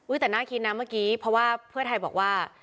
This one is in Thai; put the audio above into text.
แต่น่าคิดนะเมื่อกี้เพราะว่าเพื่อไทยบอกว่า